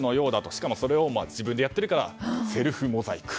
しかもそれを自分でやってるからセルフモザイク。